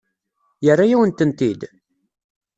Yerra-yawen-tent-id?